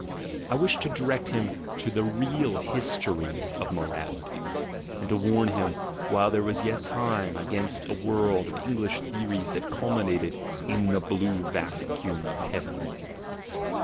I wished to direct him to the real history of morality, and x PREFACE to warn him, while there was yet time, against a world of English theories that culminated in the blue vacuum of heaven.